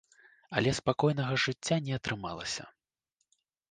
Але спакойнага жыцця не атрымалася.